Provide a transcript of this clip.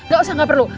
gak usah gak perlu